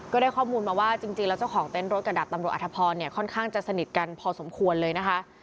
ก็ได้ข้อมูลมาว่าจริงแล้วเจ้าของเต้นรถกับดาบตำรวจอธพรเนี่ยค่อนข้างจะสนิทกันพอสมควรเลยนะคะ